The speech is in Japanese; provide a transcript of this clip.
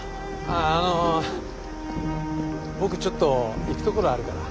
あの僕ちょっと行くところあるから。